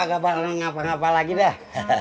gak baling apa apa lagi dah